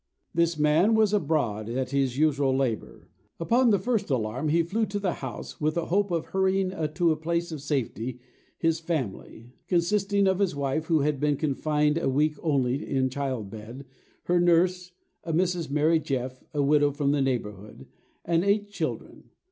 This man was abroad at his usual labour. Upon the first alarm, he flew to the house, with a hope of hurrying to a place of safety his family, consisting of his wife, who had been confined a week only in child bed; her nurse, a Mrs. Mary Jeff, a widow from the neighbourhood; and eight children.